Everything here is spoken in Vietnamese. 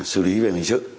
sử lý về hình sự